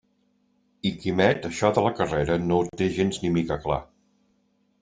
I Quimet això de la carrera no ho té gens ni mica clar.